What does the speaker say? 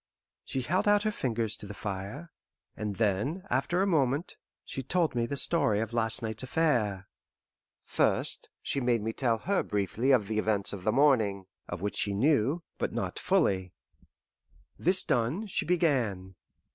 She held out her fingers to the fire, and then, after a moment, she told me the story of last night's affair. First she made me tell her briefly of the events of the morning, of which she knew, but not fully. This done, she began.